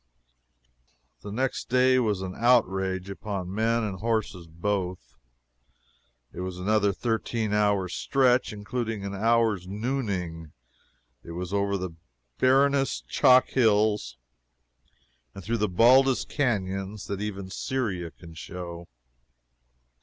The next day was an outrage upon men and horses both. It was another thirteen hour stretch (including an hour's "nooning.") It was over the barrenest chalk hills and through the baldest canons that even Syria can show.